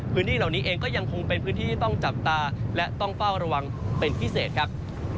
พื้นที่เหล่านี้เองก็ยังคงเป็นพื้นที่ที่ต้องจับตาและต้องเฝ้าระวังเป็นพิเศษครับ